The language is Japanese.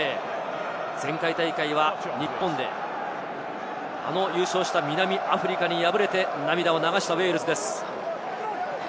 前回大会は日本であの優勝した南アフリカに敗れて涙を流したウェールズです。